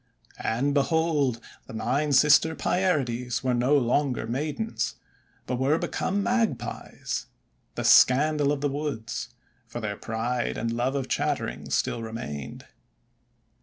And, behold, the Nine Sister Pierides were no longer maidens, but were be come Magpies, the scandal of the woods, for their pride and love of chattering still remained.